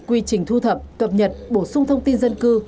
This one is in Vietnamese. quy trình thu thập cập nhật bổ sung thông tin dân cư